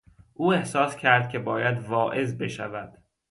او احساس کرد که باید واعظ بشود.